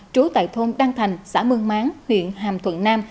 trú tại thôn đăng thành xã mương máng huyện hàm thuận nam